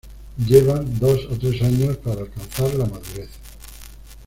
Llevan dos o tres años para alcanzar la madurez.